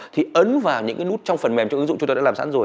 thì ấn vào những cái nút trong phần mềm trong ứng dụng chúng tôi đã làm sẵn rồi